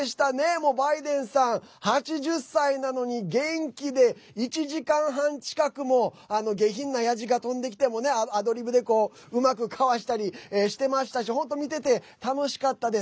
もうバイデンさん８０歳なのに元気で１時間半近くも下品なやじが飛んできてもねアドリブでうまくかわしたりしてましたし本当、見てて楽しかったです。